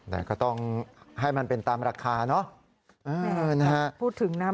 แต่ก็ต้องให้มันเป็นตามราคาเนอะพูดถึงนะ